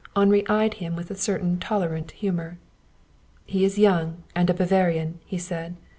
Henri eyed him with a certain tolerant humor. "He is young, and a Bavarian," he said.